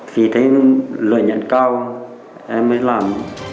vì thấy lợi nhận cao em mới làm